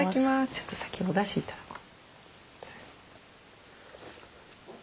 ちょっと先おだし頂こう。